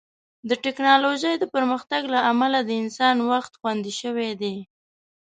د ټیکنالوژۍ د پرمختګ له امله د انسان وخت خوندي شوی دی.